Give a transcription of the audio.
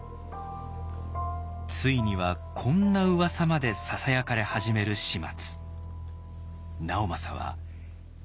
ついにはこんなうわさまでささやかれ始める始末。